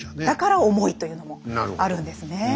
だから重いというのもあるんですね。